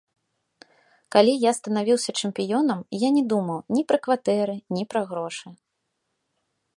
Калі я станавіўся чэмпіёнам, я не думаў ні пра кватэры, ні пра грошы.